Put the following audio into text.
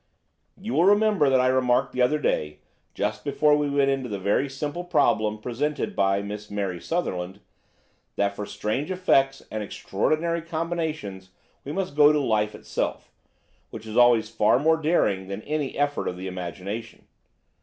"You will remember that I remarked the other day, just before we went into the very simple problem presented by Miss Mary Sutherland, that for strange effects and extraordinary combinations we must go to life itself, which is always far more daring than any effort of the imagination."